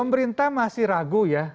pemerintah masih ragu ya